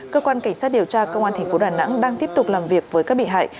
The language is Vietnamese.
cơ quan cảnh sát điều tra công an tp đà nẵng đang tiếp tục làm việc với các bị hại